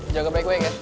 jaga baik baik ya